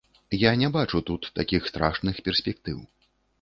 Я не бачу тут такіх страшных перспектыў.